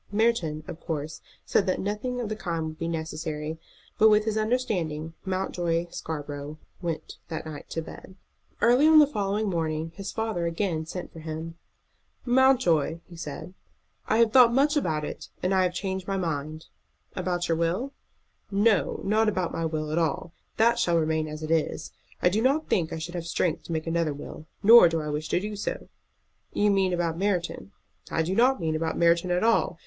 Merton, of course, said that nothing of the kind would be necessary; but with this understanding Mountjoy Scarborough went that night to bed. Early on the following morning his father again sent for him. "Mountjoy," he said, "I have thought much about it, and I have changed my mind." "About your will?" "No, not about my will at all. That shall remain as it is. I do not think I should have strength to make another will, nor do I wish to do so." "You mean about Merton?" "I don't mean about Merton at all.